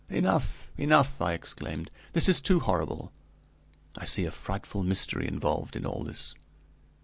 "Enough, enough!" I exclaimed; "this is too horrible! I see a frightful mystery involved in all this.